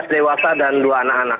dua belas dewasa dan dua anak anak